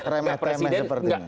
remah tema seperti ini